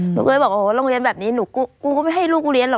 หนูก็เลยบอกโอ้โหโรงเรียนแบบนี้หนูกูก็ไม่ให้ลูกเรียนหรอ